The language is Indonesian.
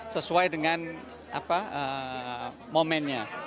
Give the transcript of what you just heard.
sesuai dengan momennya